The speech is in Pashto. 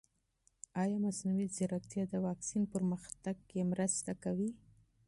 ایا مصنوعي ځیرکتیا د واکسین پرمختګ کې مرسته کوي؟